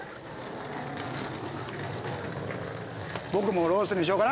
僕もロースにしようかな。